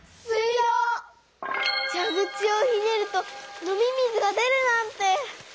じゃぐちをひねると飲み水が出るなんて！